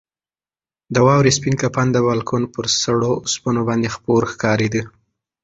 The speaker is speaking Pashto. د واورې سپین کفن د بالکن پر سړو اوسپنو باندې خپور ښکارېده.